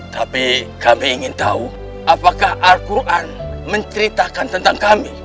tapi kami ingin tahu apakah al quran menceritakan tentang kami